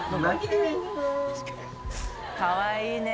かわいいね。